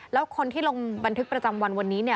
แล้วคนที่ลงบันทึกประจำวันวันนี้เนี่ย